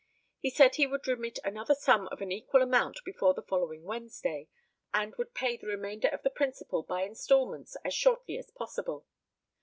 He said he would remit another sum of an equal amount before the following Wednesday, and would pay the remainder of the principal by instalments as shortly as possible.